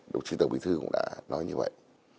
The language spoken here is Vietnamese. đồng chí tổng bí thư cũng đã nói như vậy